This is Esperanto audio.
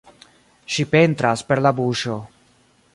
Ŝi pentras per la buŝo.